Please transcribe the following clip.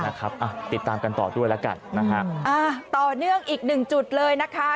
นะครับอ่ะติดตามกันต่อด้วยแล้วกันนะฮะอ่าต่อเนื่องอีกหนึ่งจุดเลยนะคะ